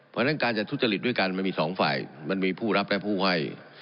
เพราะฉะนั้นการจะทุจริตด้วยกันมันมีสองฝ่ายมันมีผู้รับและผู้ให้